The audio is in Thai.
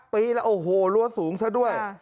ปีแล้วโอ้โหรั้วสูงซะด้วย